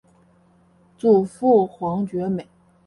祖父黄厥美。